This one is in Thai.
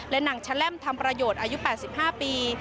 และนางชะแล้มธรรมประโยชน์อายุ๘๕ปี